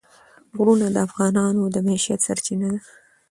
غرونه د افغانانو د معیشت سرچینه ده.